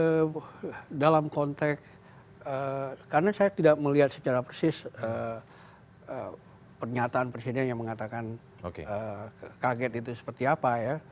ya dalam konteks karena saya tidak melihat secara persis pernyataan presiden yang mengatakan kaget itu seperti apa ya